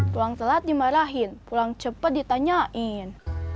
pulang telat dimarahin pulang cepat ditanyain